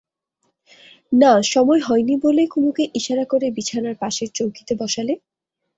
না সময় হয় নি বলে কুমুকে ইশারা করে বিছানার পাশের চৌকিতে বসালে।